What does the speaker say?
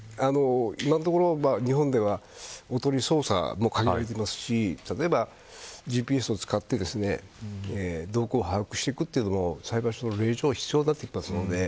今のところ日本ではおとり捜査も限られてますし例えばＧＰＳを使って動向を把握していくというのも裁判所の令状が必要になってきます。